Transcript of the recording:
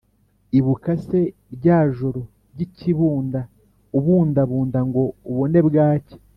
Ibuka se rya joro ry’ikibunda Ubundabunda ngo ubone bwacya